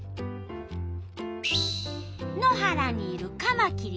野原にいるカマキリ。